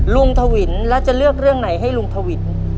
ทวินแล้วจะเลือกเรื่องไหนให้ลุงทวิน